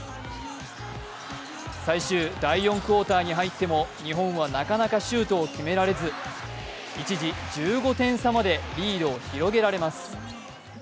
最終第４クオーターに入っても日本はなかなかシュートを決められず一時、１５点差までリードを広げられます。